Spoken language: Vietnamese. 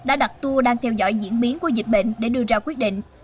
đã đặt tour đang theo dõi diễn biến của dịch bệnh để đưa ra quyết định